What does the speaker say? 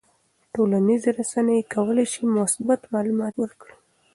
ټولنیزې رسنۍ کولی شي مثبت معلومات ورکړي.